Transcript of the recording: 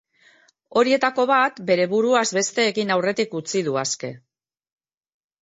Horietako bat, bere buruaz beste egin aurretik utzi du aske.